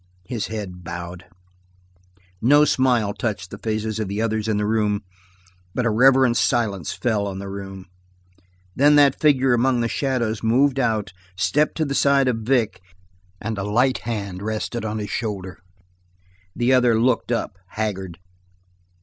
His head bowed. No smile touched the faces of the others in the room, but a reverent silence fell on the room. Then that figure among the shadows moved out, stepped to the side of Vic, and a light hand rested on his shoulder. The other looked up, haggard.